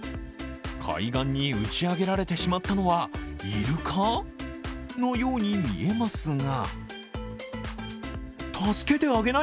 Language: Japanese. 海岸に打ち上げられてしまったのは、イルカのように見えますが。